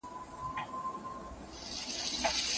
د کتاب ملګرتيا انسان ته د فکر ځواک ورکوي او د ژوند مانا روښانوي.